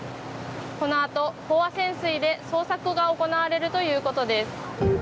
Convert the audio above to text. このあと飽和潜水で捜索が行われるということです。